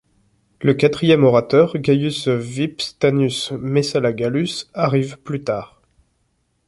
Le quatrième orateur, Gaius Vipstanus Messalla Gallus, arrive plus tard.